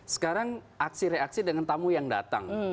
sekarang aksi reaksi dengan tamu yang datang